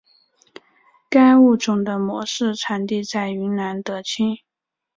该物种的模式产地在云南德钦。